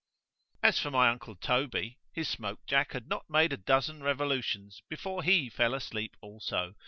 As for my uncle Toby, his smoke jack had not made a dozen revolutions, before he fell asleep also.